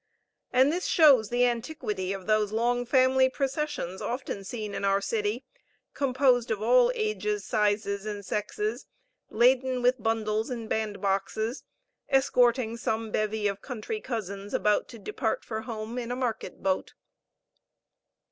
And this shows the antiquity of those long family processions, often seen in our city, composed of all ages, sizes, and sexes, laden with bundles and bandboxes, escorting some bevy of country cousins about to depart for home in a market boat.